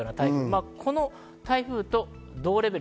あの台風と同レベル。